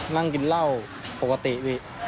นั่งกินเหล้าปกติพี่